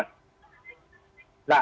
nah ini adalah